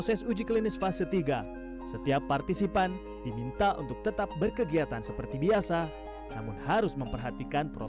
sekarang yang di depan dokter tenaga kesehatan